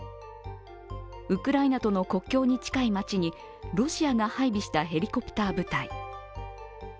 ウクライナとの国境に近い町にロシアが配備したヘリコプター部隊。